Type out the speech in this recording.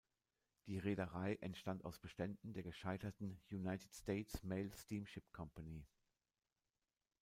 Die Reederei entstand aus Beständen der gescheiterten United States Mail Steamship Company.